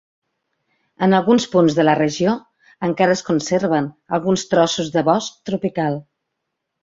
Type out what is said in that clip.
En alguns punts de la regió encara es conserven alguns trossos de bosc tropical.